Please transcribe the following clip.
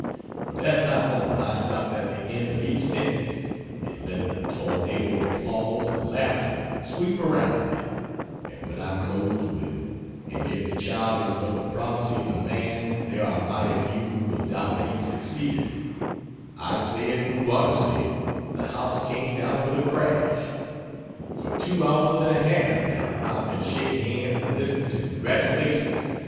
From that time on, I stopped at the end of each sentence, and let the tornado of applause and laughter sweep around me and when I closed with "And if the child is but the prophecy of the man, there are mighty few who will doubt that he succeeded," I say it who oughtn't to say it, the house came down with a crash. For two hours and a half, now, I've been shaking hands and listening to congratulations.